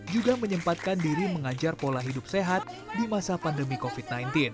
juga menyempatkan diri mengajar pola hidup sehat di masa pandemi covid sembilan belas